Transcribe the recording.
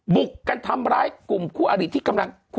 บุกกันทำร้ายกลุ่มคู่อริที่กำลัง